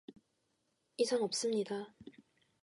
이상 없습니다